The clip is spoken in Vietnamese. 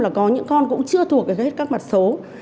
là có những con cũng chưa thuộc được hết các mặt số